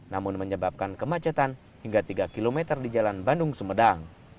namun menyebabkan kemacetan hingga tiga km di jalan bandung sumedang